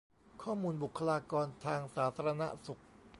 ข้อมูลบุคลากรทางสาธารณสุข